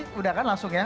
sudah kan langsung ya